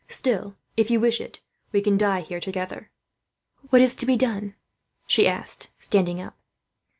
Still, if you wish it, we can die here together." "What is to be done?" she asked, standing up.